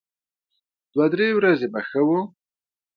دوه درې ورځې به ښه و.